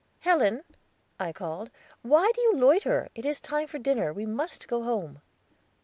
Helen," I called, "why do you loiter? It is time for dinner. We must go home."